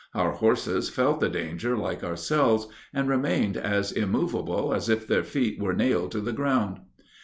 Our horses felt the danger like ourselves, and remained as immovable as if their feet were nailed to the ground.